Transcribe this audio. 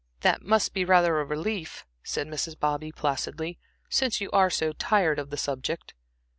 "That must be rather a relief," said Mrs. Bobby, placidly, "since you are so tired of the subject."